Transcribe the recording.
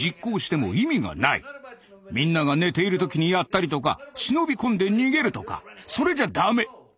みんなが寝ている時にやったりとか忍び込んで逃げるとかそれじゃ駄目。